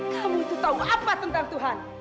kamu itu tahu apa tentang tuhan